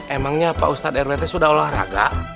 emangnya pak ustadz erwt sudah olahraga